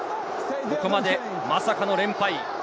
ここまでまさかの連敗。